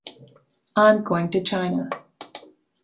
I’m going to China.